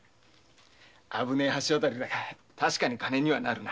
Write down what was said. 危ねえが確かに金にはなるな。